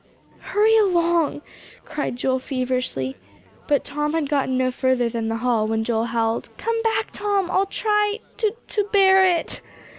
"Hurry along," cried Joel feverishly. But Tom had gotten no further than the hall, when Joel howled, "Come back, Tom, I'll try to to bear it."